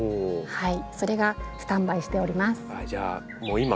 はい。